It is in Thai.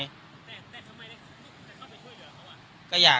แต่ทำไมแต่เขาไม่ช่วยเหลือเขาอ่ะ